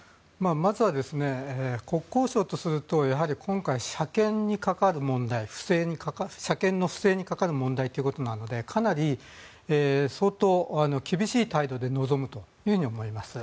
まずは国交省とすると今回、車検に関わる問題車検の不正に関わる問題ということなのでかなり相当厳しい態度で臨むと思います。